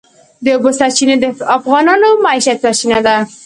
د اوبو سرچینې د افغانانو د معیشت سرچینه ده.